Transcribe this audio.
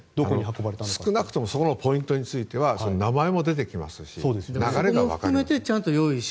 少なくともそこのポイントについては名前も出てきますし流れがわかります。